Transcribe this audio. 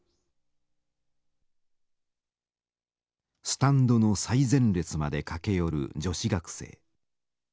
スタンドの最前列まで駆け寄る女子学生。